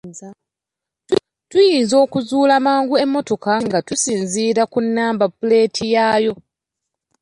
Tuyinza okuzuula mangu emmotoka nga tusinziira ku nnamba puleeti yaayo.